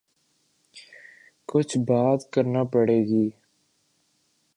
کچھ بات کرنا پڑے گی۔